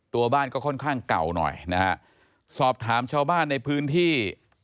ตัวบ้านก็ค่อนข้างเก่าหน่อยนะฮะสอบถามชาวบ้านในพื้นที่